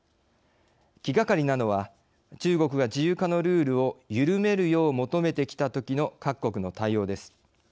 気がかりなのは中国が自由化のルールを緩めるよう求めてきたときの各国の対応です。